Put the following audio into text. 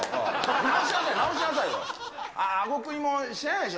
なおしなさいよ。